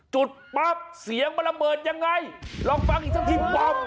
จุดปั๊บเสียงมาระเบิดยังไงลองฟังอีกซักที